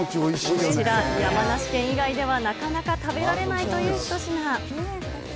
こちら山梨県以外ではなかなか食べられないという、ひと品。